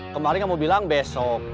kemarin kamu bilang besok